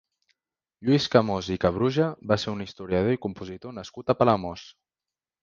Lluís Camós i Cabruja va ser un historiador i compositor nascut a Palamós.